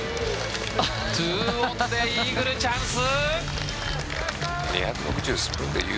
２オンでイーグルチャンス。